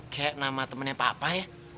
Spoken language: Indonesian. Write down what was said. kayak nama temennya pak pa ya